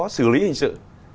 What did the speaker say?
có xử lý hình sự